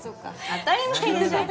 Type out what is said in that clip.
当たり前でしょ！